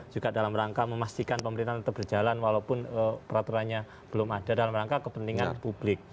juga dalam rangka memastikan pemerintahan tetap berjalan walaupun peraturannya belum ada dalam rangka kepentingan publik